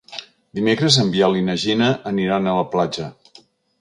Dimecres en Biel i na Gina aniran a la platja.